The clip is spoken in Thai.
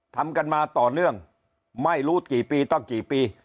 ทำกันมาต่อเนื่องไม่รู้กี่ปีต้องกี่ปี